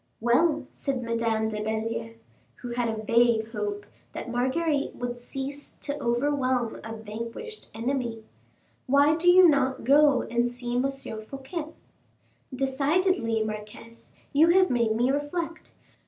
"Well," said Madame de Belliere, who had a vague hope that Marguerite would cease to overwhelm a vanquished enemy, "why do you not go and see M. Fouquet?" "Decidedly, marquise, you have made me reflect.